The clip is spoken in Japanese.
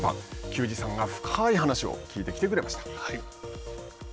球児さんが深い話を聞いてきてくれました。